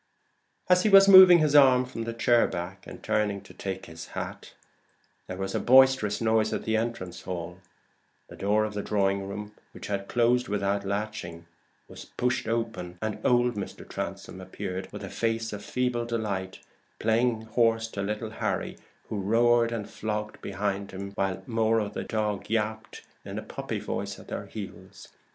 As he was moving his arm from the chair back, and turning to take his hat, there was a boisterous noise in the entrance hall; the door of the drawing room, which had closed without latching, was pushed open, and old Mr. Transome appeared with a face of feeble delight, playing horse to little Harry, who roared and flogged behind him, while Moro yapped in a puppy voice at their heels.